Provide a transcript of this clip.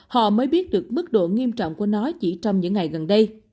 họ mới biết được mức độ nghiêm trọng của nó chỉ trong những ngày gần đây